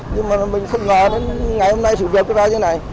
nhưng mà mình không ngờ đến ngày hôm nay sự vượt ra như thế này